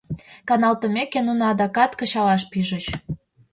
Каналтымеке, нуно адакат кычалаш пижыч.